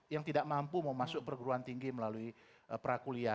yang tidak mampu mau masuk perguruan tinggi melalui prakuliah